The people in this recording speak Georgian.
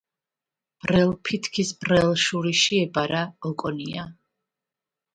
ბრელ ფითქის ბრელ შურიში ებარა ოკონია